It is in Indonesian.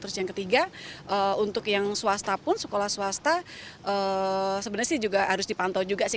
terus yang ketiga untuk yang swasta pun sekolah swasta sebenarnya sih juga harus dipantau juga sih